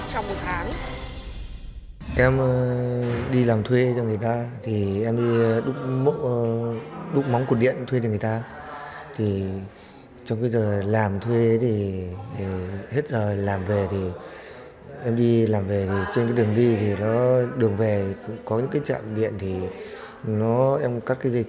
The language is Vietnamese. trong một tháng